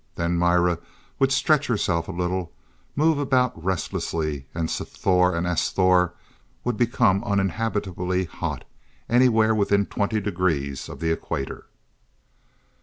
Then Mira would stretch herself a little, move about restlessly and Sthor and Asthor would become uninhabitably hot, anywhere within twenty degrees of the equator.